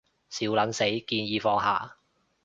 笑撚死，建議放下